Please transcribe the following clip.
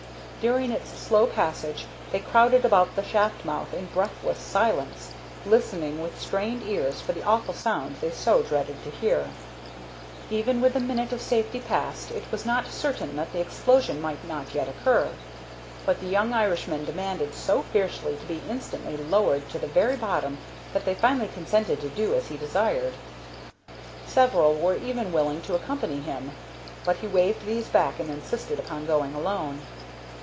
During its slow passage they crowded about the shaft mouth in breathless silence, listening with strained ears for the awful sound they so dreaded to hear. Even with the minute of safety passed, it was not certain that the explosion might not yet occur; but the young Irishman demanded so fiercely to be instantly lowered to the very bottom that they finally consented to do as he desired. Several were even willing to accompany him, but he waved these back and insisted upon going alone.